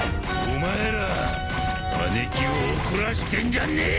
お前ら姉貴を怒らしてんじゃねえよ！